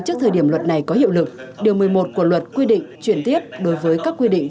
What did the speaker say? trước thời điểm luật này có hiệu lực điều một mươi một của luật quy định chuyển tiếp đối với các quy định